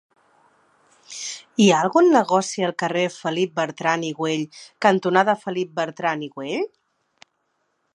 Hi ha algun negoci al carrer Felip Bertran i Güell cantonada Felip Bertran i Güell?